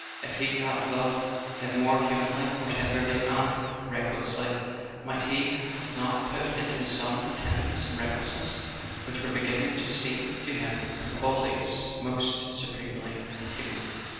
If he had loved him more humanly, more tenderly and reck¬ lessly, might he have not put into his son the tenderness and recklessness which were beginning to seem to him the qualities most supremely human?